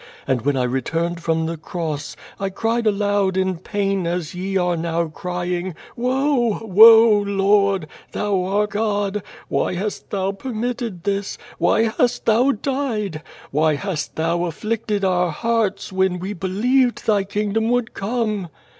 And when I returned from the cross, 1 cried aloud in ))ain as ye are now crying, 'AVoe! Woel Lord! Thou art God. AVhy hast Thou permitted this? Why hast Thou died? Why hast Thou afflicted our hearts, when we believed Thy kingdom would come?'